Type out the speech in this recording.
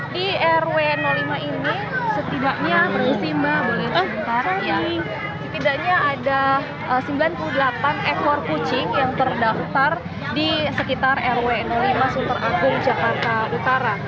di rw lima ini setidaknya ada sembilan puluh delapan ekor kucing yang terdaftar di sekitar rw lima sunter agung jakarta utara